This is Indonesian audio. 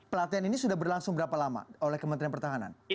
pelatihan ini sudah berlangsung berapa lama oleh kementerian pertahanan